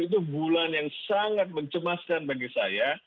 itu bulan yang sangat mencemaskan bagi saya